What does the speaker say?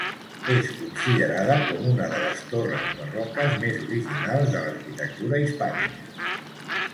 És considerada com una de les torres barroques més originals de l'arquitectura hispànica.